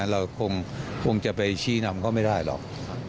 เราคงจะไปชี้นำเขาไม่ได้หรอก